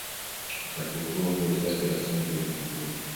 Wakati huo huo idadi ya tembo ilipunguzwa